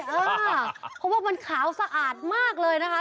เพราะว่ามันขาวสะอาดมากเลยนะคะ